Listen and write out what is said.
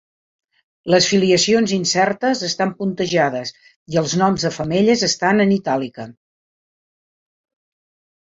Les filiacions incertes estan puntejades i els noms de femelles estan en itàlica.